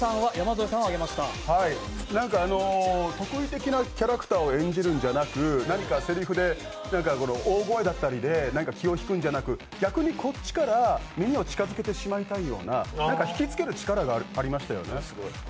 なんか、特異的なキャラクターを演じるんじゃなく何かせりふで、大声だったりで気を引くんじゃなく、逆にこっちから耳を近づけてしまいたいような力がありましたね。